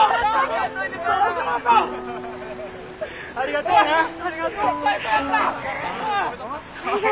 ありがとうございます。